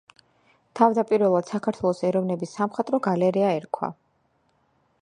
თავდაპირველად საქართველოს ეროვნების სამხატვრო გალერეა ერქვა.